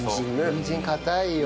にんじん硬いよ。